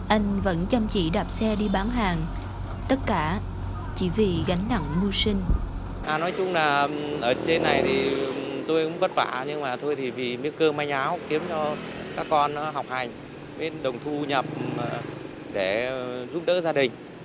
anh vẫn chăm chỉ đạp xe đi bán hàng tất cả chỉ vì gánh nặng mưu sinh